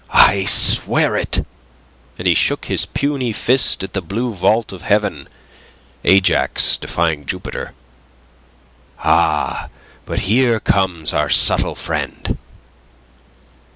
I swear it!" And he shook his puny fist at the blue vault of heaven Ajax defying Jupiter. "Ah, but here comes our subtle friend..."